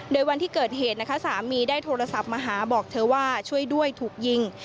โดยวันที่เกิดเหตุนะคะสามีได้โทรศัพท์มาหาบอกเธอว่าช่วยด้วยถูกยิง